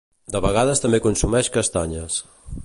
De vegades també consumeix castanyes.